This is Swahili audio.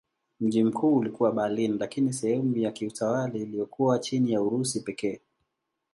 Mji mkuu ulikuwa Berlin lakini sehemu ya kiutawala iliyokuwa chini ya Urusi pekee.